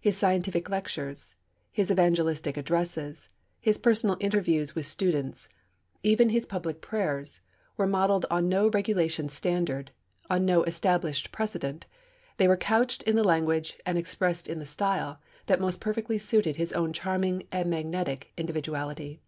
His scientific lectures, his evangelistic addresses, his personal interviews with students, even his public prayers, were modelled on no regulation standard, on no established precedent; they were couched in the language, and expressed in the style, that most perfectly suited his own charming and magnetic individuality.